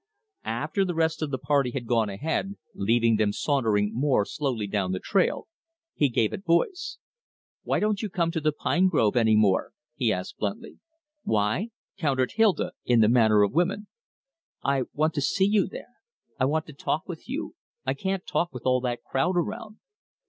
After the rest of the party had gone ahead, leaving them sauntering more slowly down the trail, he gave it voice. "Why don't you come to the pine grove any more?" he asked bluntly. "Why?" countered Hilda in the manner of women. "I want to see you there. I want to talk with you. I can't talk with all that crowd around."